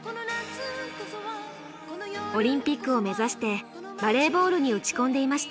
オリンピックを目指してバレーボールに打ち込んでいました。